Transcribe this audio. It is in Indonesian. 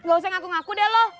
gak usah ngaku ngaku deh loh